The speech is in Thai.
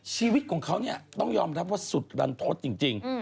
ชีวิตของเขาเนี่ยต้องยอมรับว่าสุดรันทศจริง